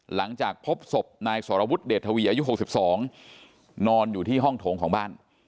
หลังจากพบศพนายสรวุฒิเดชทวีอายุ๖๒นอนอยู่ที่ห้องโถงของบ้าน